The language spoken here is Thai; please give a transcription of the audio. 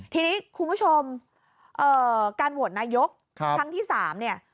ทีนี้คุณผู้ชมการโหวตนายกครั้งที่๓เนี่ย